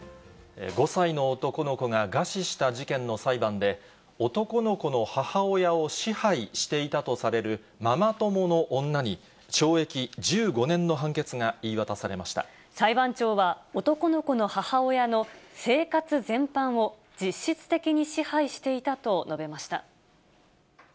５歳の男の子が餓死した事件の裁判で、男の子の母親を支配していたとされるママ友の女に、懲役１５年の裁判長は、男の子の母親の生活全般を実質的に支配していたと述べました。